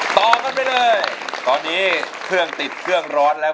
ต่อกันไปเลยตอนนี้เครื่องติดเครื่องร้อนแล้ว